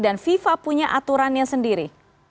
dan fifa punya aturannya sendiri